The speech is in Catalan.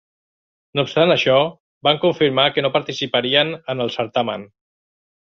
No obstant això, van confirmar que no participarien en el certamen.